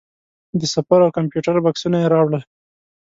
د سفر او کمپیوټر بکسونه یې راوړل.